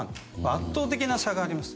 圧倒的な差があります。